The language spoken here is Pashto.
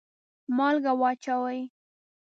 مالګه واچوئ